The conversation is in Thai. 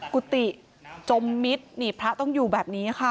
กุฏิจมมิตรนี่พระต้องอยู่แบบนี้ค่ะ